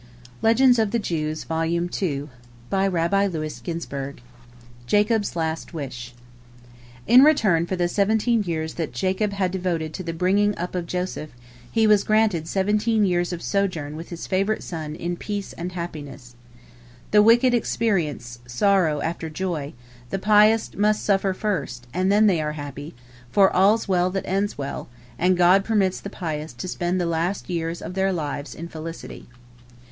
JACOB'S LAST WISH In return for the seventeen years that Jacob had devoted to the bringing up of Joseph, he was granted seventeen years of sojourn with his favorite son in peace and happiness. The wicked experience sorrow after joy; the pious must suffer first, and then they are happy, for all's well that ends well, and God permits the pious to spend the last years of their lives in felicity.